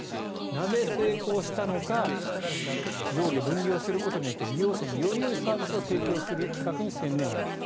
なぜ、成功したのか上下分離をすることによって利用者によりよいサービスを提供する企画に専念できた。